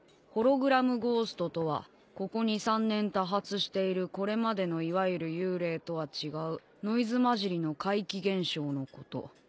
「ホログラムゴーストとはここ２３年多発しているこれまでのいわゆる幽霊とは違うノイズ交じりの怪奇現象のこと」